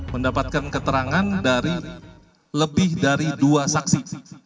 mendapatkan keterangan dari lebih dari dua saksi